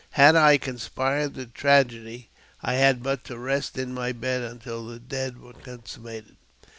Had I conspired the tragedy, I had but to rest in my bed until the deed was consummated.